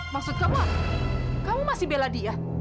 maksud kamu kamu masih bela dia